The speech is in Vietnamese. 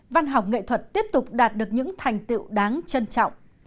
văn học nghệ thuật tiếp tục đạt được những thành tiệu đáng trân trọng